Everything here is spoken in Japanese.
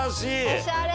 おしゃれ！